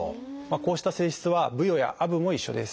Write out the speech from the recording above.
こうした性質はブヨやアブも一緒です。